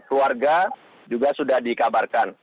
keluarga juga sudah dikabarkan